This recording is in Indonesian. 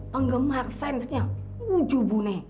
penggemar fansnya ujubune